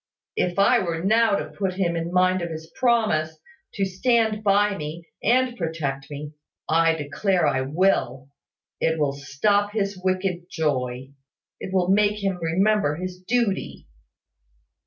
If I were now to put him in mind of his promise, to stand by me, and protect me I declare I will it will stop his wicked joy it will make him remember his duty."